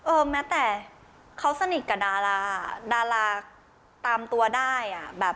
เองแม้แต่เขาสนิกกับดาราดาราตามตัวได้